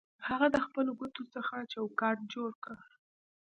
هغه د خپلو ګوتو څخه چوکاټ جوړ کړ